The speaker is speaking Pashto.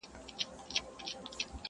یو د بل په وینو پايي او پړسېږي؛